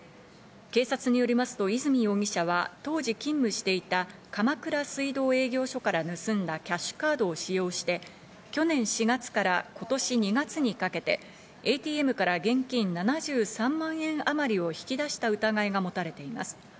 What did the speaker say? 警察によりますと、和泉容疑者は当時勤務していた鎌倉水道営業所から盗んだキャッシュカードを使用して去年４月から今年２月にかけてＡＴＭから現金７３万円あまりを引き出した疑いが持たれています。